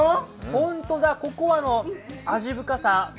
ほんとだ、ココアの味深さ